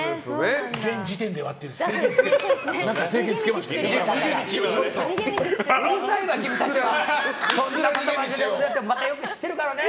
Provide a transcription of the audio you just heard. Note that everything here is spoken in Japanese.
現時点ではっていう制限をつけてるね。